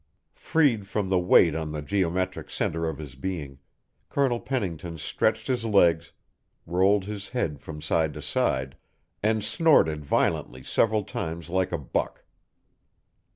Freed from the weight on the geometric centre of his being, Colonel Pennington stretched his legs, rolled his head from side to side, and snorted violently several times like a buck.